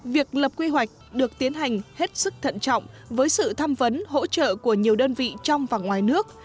việc lập quy hoạch được tiến hành hết sức thận trọng với sự tham vấn hỗ trợ của nhiều đơn vị trong và ngoài nước